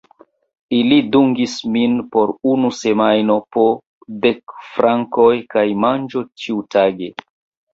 Ili dungis min por unu semajno, po dek frankoj kaj manĝo ĉiutage.